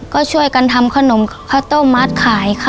ก็ช่วยกันทำขนมข้าวต้มมัดขายค่ะ